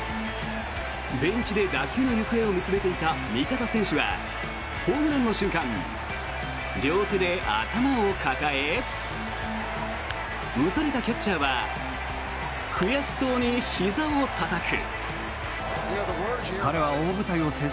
ベンチで打球の行方を見つめていた味方選手はホームランの瞬間両手で頭を抱え打たれたキャッチャーは悔しそうにひざをたたく。